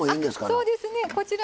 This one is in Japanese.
あそうですね。こちらの方